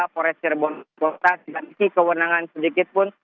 kapolres sirbon kota diberi kewenangan sedikitpun